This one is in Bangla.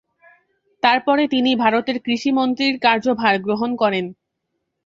তারপরে তিনি ভারতের কৃষি মন্ত্রীর কার্যভার গ্রহণ করেন।